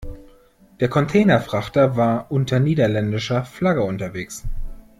Der Containerfrachter war unter niederländischer Flagge unterwegs.